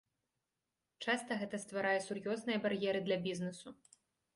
Часта гэта стварае сур'ёзныя бар'еры для бізнесу.